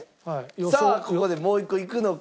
さあここでもう１個いくのか。